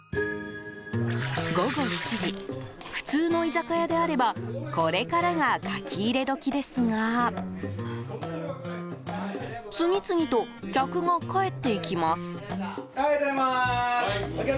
午後７時普通の居酒屋であればこれからが書き入れ時ですが次々と客が帰っていきます。